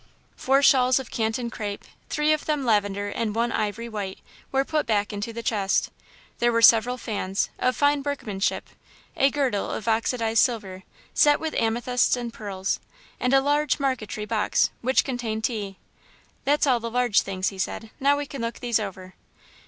Four shawls of Canton crepe, three of them lavender and one ivory white, were put back into the chest. There were several fans, of fine workmanship, a girdle of oxidized silver, set with amethysts and pearls, and a large marquetry box, which contained tea. "That's all the large things," he said; "now we can look these over."